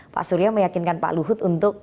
pak surya meyakinkan pak luhut untuk